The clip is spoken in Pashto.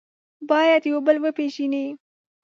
باید یو بل وپېژنئ.